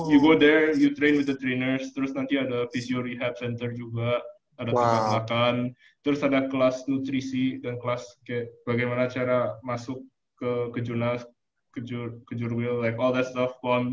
you go there you train with the trainers terus nanti ada physio rehab center juga ada tempat makan terus ada kelas nutrisi dan kelas kayak bagaimana cara masuk ke kejurna ke jurwil like all that stuff